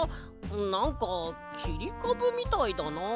なんかきりかぶみたいだな。